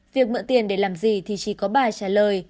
việc mượn tiền để làm gì thì chỉ có bài trả lời